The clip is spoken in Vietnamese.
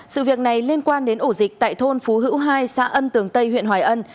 sự việc này liên quan đến ổ dịch tại thôn phú hữu hai xã ân tường tây huyện hoài ân